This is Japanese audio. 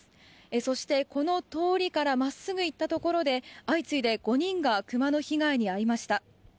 そして、この通りから真っすぐ行ったところで相次いで５人がクマの被害に遭いました。